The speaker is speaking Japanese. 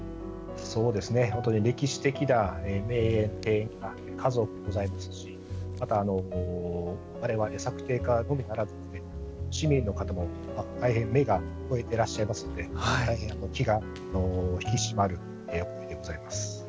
本当に歴史的な名園、庭園が数多くございますしわれわれ、作庭家のみならず市民の方も大変目が肥えてらっしゃいますので大変気が引き締まる思いでございます。